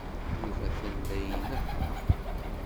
Yuba atan la inehheṛ.